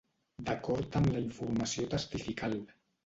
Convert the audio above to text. D'acord amb la informació testifical.